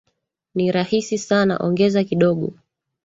Ni rahisi sana, ongeza kidogo